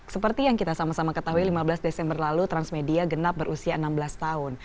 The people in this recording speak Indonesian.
seperti yang kita sama sama ketahui lima belas desember lalu transmedia genap berusia enam belas tahun